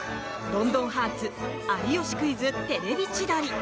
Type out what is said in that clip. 「ロンドンハーツ」「有吉クイズ」、「テレビ千鳥」